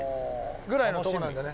ぐらいのところなんだよね。